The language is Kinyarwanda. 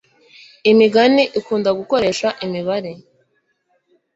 imigani ikunda gukoresha imibare